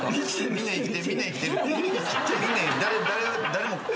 誰も。